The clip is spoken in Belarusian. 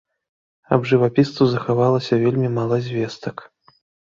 Аб жывапісцу захавалася вельмі мала звестак.